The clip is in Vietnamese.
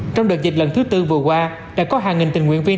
trong đợt dịch lần thứ tư vừa qua đã có hàng nghìn tình nguyện viên